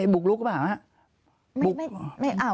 บุกลุกก็บอก